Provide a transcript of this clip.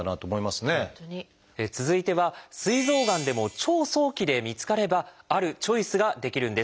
続いてはすい臓がんでも超早期で見つかればあるチョイスができるんです。